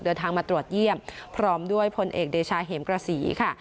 เดินทางมาตรวจเยี่ยมพร้อมด้วยพลเอกเดชาเห็มกระสีค่ะ